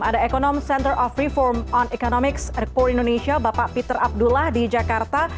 ada ekonom center of reform on economics report indonesia bapak peter abdullah di jakarta